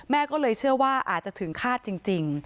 ก็เลยเชื่อว่าอาจจะถึงฆาตจริง